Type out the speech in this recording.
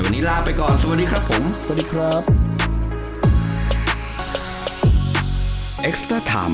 วันนี้ลาไปก่อนสวัสดีครับผม